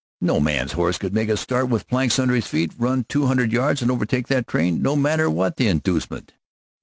No man's horse could make a start with planks under his feet, run two hundred yards and overtake that train, no matter what the inducement.